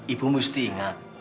ibu mesti ingat